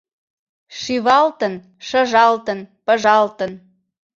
Шивалтын — шыжалтын, пыжалтын.